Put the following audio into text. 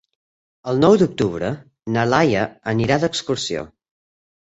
El nou d'octubre na Laia anirà d'excursió.